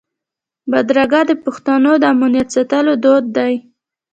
بدرګه د پښتنو د امنیت ساتلو دود دی.